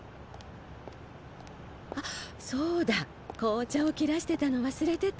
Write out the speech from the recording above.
あっそうだ紅茶を切らしてたの忘れてた。